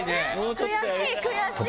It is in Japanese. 悔しい悔しい！